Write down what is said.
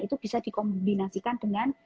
itu bisa dikombinasikan dengan